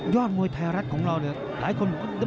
ยอดมวยไทยรัฐของเราเนี่ย